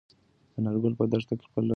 انارګل په دښته کې خپل لرګی وخوځاوه.